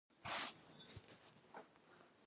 زراعت د ټولو افغانانو ژوند اغېزمن کوي.